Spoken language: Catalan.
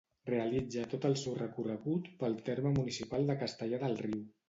Realitza tot el seu recorregut pel terme municipal de Castellar del Riu.